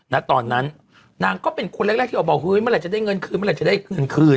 ตอนนั้นนางก็เป็นคนแรกที่ออกมาเฮ้ยเมื่อไหร่จะได้เงินคืนเมื่อไหร่จะได้เงินคืน